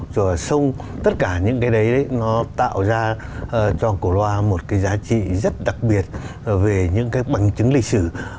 và những cái đấy nó tạo ra cho cổ loa một cái giá trị rất đặc biệt về những cái bằng chứng lịch sử